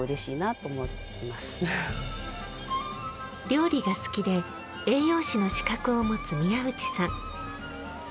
料理が好きで栄養士の資格を持つ宮内さん。